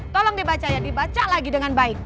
tolong dibaca ya dibaca lagi dengan baik